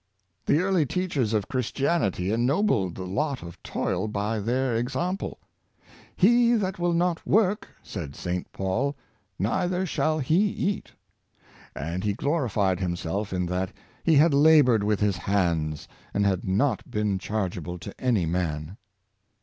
The early teachers of Christianity ennobled the lot of toil by their example. " He that will not work," said St. Paul, "neither shall he eat; " and he glorified him self in that he had labored with his hands, and had not The Dignity of Work. 153 been chargeable to any man.